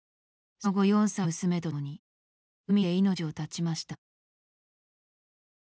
その後、４歳の娘と共に海で命を絶ちました。